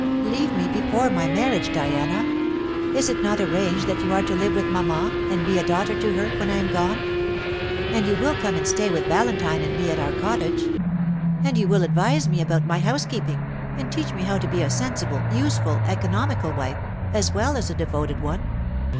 "Leave me before my marriage, Diana! Is it not arranged that you are to live with mamma, and be a daughter to her, when I am gone? And you will come and stay with Valentine and me at our cottage; and you will advise me about my house keeping, and teach me how to be a sensible, useful, economical wife, as well as a devoted one.